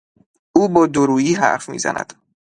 او با دورویی حرف میزند.